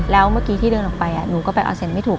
แล้วเมื่อกี้ที่เดินออกไปหนูก็ไปอัลเซ็นต์ไม่ถูก